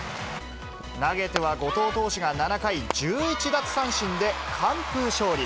投げては後藤投手が、７回１１奪三振で完封勝利。